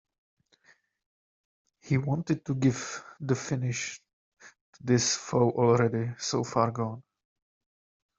He wanted to give the finish to this foe already so far gone.